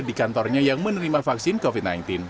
di kantornya yang menerima vaksin covid sembilan belas